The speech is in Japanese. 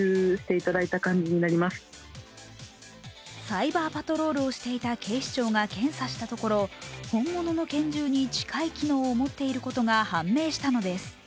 サイバーパトロールをしていた警視庁が検査したところ本物の拳銃に近い機能を持っていることが判明したのです。